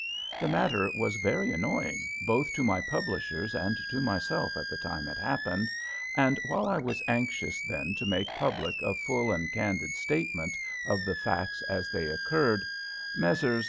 The matter was very annoying, both to my publishers and to myself at the time it happened, and while I was anxious then to make public a full and candid statement of the facts as they occurred, Messrs.